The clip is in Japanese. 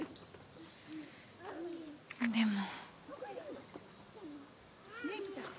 でも。